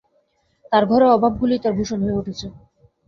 তার ঘরে অভাবগুলিই তার ভূষণ হয়ে উঠেছে।